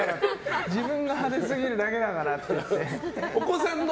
自分が派手すぎるだけだからって言って。